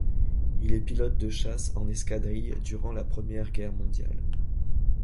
Il est pilote de chasse en escadrille durant la Première Guerre mondiale.